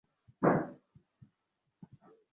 ইহাই ঈর্ষা ঘৃণা বিবাদ ও দ্বন্দ্বের মূল।